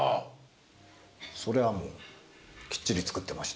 そりゃもうきっちり作ってましたよ。